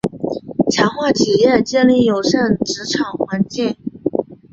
强化企业建立友善职场环境